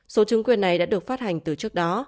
số chứng quyền này đã được phát hành từ trước đó